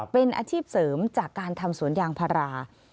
เป็นอาชีพเสริมจากการทำสวนยางพารา